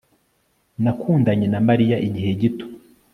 Nakundanye na Mariya igihe gito